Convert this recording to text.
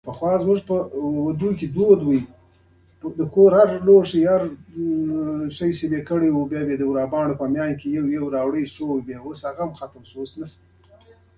د پیرودونکي خوښي د سوداګر بریا ده.